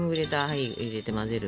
はい入れて混ぜる。